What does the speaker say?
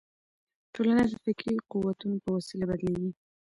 ټولنه د فکري قوتونو په وسیله بدلیږي.